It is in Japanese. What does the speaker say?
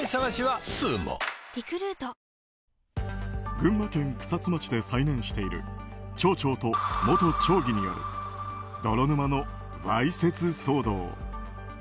群馬県草津町で再燃している町長と元町議による泥沼のわいせつ騒動。